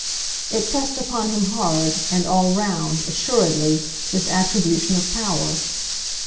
It pressed upon him hard, and all round, assuredly, this attribution of power.